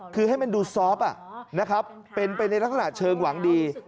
คือให้มันดูซอฟต์เป็นในลักษณะเชิงหวังดี